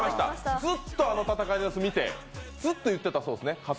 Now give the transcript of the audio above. ずっとあの戦いの様子みてずっと言っていたそうですね。